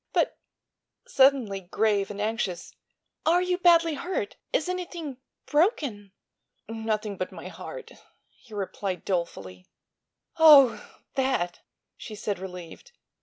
But," suddenly grave and anxious, "are you badly hurt? Is anything—broken?" "Nothing but my heart," he replied dolefully. "Oh; that!" she said, relieved.